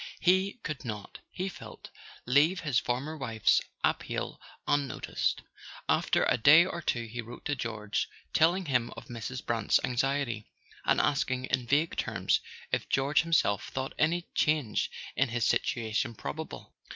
He could not, he felt, leave his former wife's appeal unnoticed; after a day or two he wrote to George, telling him of Mrs. Brant's anxiety, and asking in vague terms if George himself thought any change in his situation probable.